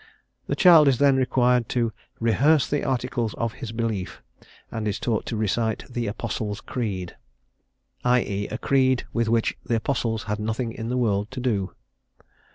The child is then required to "rehearse the articles of his belief," and is taught to recite "the Apostles' Creed," i.e., a creed with which the apostles had nothing in the world to do.